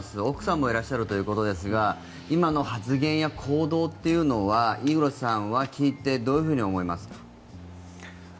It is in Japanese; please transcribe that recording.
奥さんもいらっしゃるということですが今の発言や行動というのはイーゴルさんは聞いてどういうふうに思いますか？